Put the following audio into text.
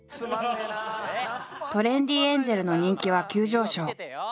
トレンディエンジェルの人気は急上昇。